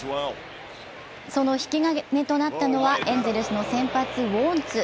その引き金となったのはエンゼルスの先発・ウォンツ。